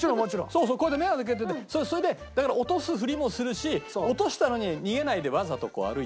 そうそう目は開けててそれでだから落とすフリもするし落としたのに逃げないでわざとこう歩いたりして。